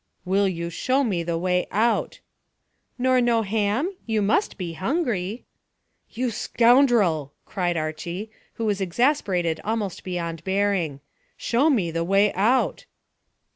"Will you show me the way out." "Nor no ham? You must be hungry!" "You scoundrel!" cried Archy, who was exasperated almost beyond bearing. "Show me the way out."